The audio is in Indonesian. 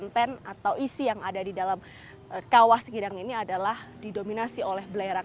konten atau isi yang ada di dalam kawah sekidang ini adalah didominasi oleh belerang